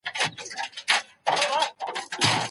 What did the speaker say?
څېړونکي تمه لري چي په راتلونکي کي به نوري پټي نسخې هم پیدا سي.